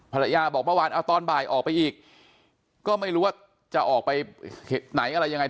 ภรรยาบอกเมื่อวานเอาตอนบ่ายออกไปอีกก็ไม่รู้ว่าจะออกไปไหนอะไรยังไง